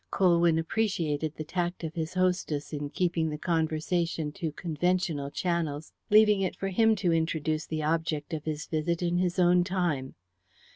Colwyn appreciated the tact of his hostess in keeping the conversation to conventional channels, leaving it for him to introduce the object of his visit in his own time.